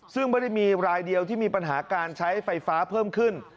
ซึ่งไม่ได้มีรายเดียวที่มีปัญหาการใช้ไฟฟ้าเพิ่มขึ้น